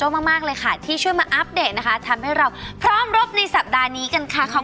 ก็ผมยกให้กับคนที่สเน่แรงจนงานเข้า